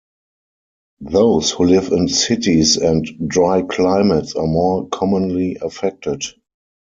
Those who live in cities and dry climates are more commonly affected.